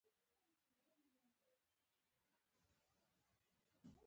احمد او علي پرېکړه وکړه، چې هره ورځ ورزش وکړي